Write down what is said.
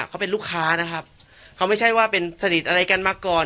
เขาเป็นลูกค้านะครับเขาไม่ใช่ว่าเป็นสนิทอะไรกันมาก่อน